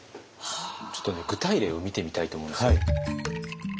ちょっとね具体例を見てみたいと思うんですけど。